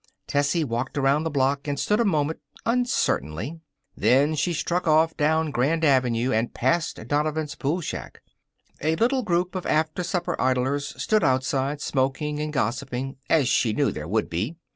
Tessie walked around the block and stood a moment, uncertainly. Then she struck off down Grand Avenue and past Donovan's pool shack. A little group of after supper idlers stood outside, smoking and gossiping, as she knew there would be.